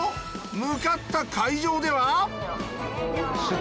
向かった会場では。